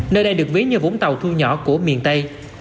nơi đây được ví như vũng tàu thu nhỏ của miền tây